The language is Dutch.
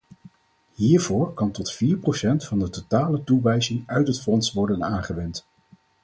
Hiervoor kan tot vier procent van de totale toewijzing uit het fonds worden aangewend.